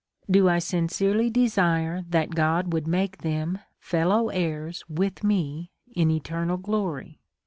Do I sincerely desire that God would make them fellow heirs with me in eternal glory